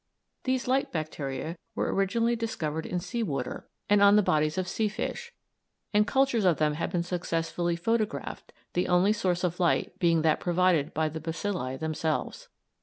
These light bacteria were originally discovered in sea water and on the bodies of sea fish, and cultures of them have been successfully photographed, the only source of light being that provided by the bacilli themselves.